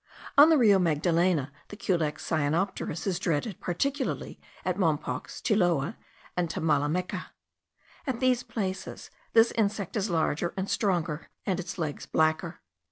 On the Rio Magdalena the Culex cyanopterus is dreaded, particularly at Mompox, Chiloa, and Tamalameca. At these places this insect is larger and stronger, and its legs blacker.